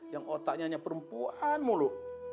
yang otaknya hanya perempuan mulut